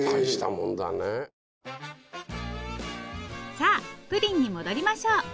さあプリンに戻りましょう。